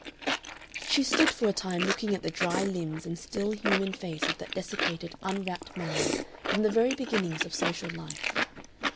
She stood for a time looking at the dry limbs and still human face of that desiccated unwrapped mummy from the very beginnings of social life.